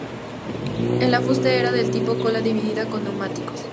El afuste era del tipo cola dividida, con neumáticos.